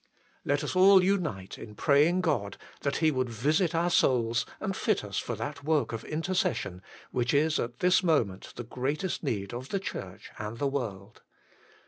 Let us all unite in praying God that He would visit our souls and fit us for that work of intercession, which is at this moment the greatest need of the Church and the world.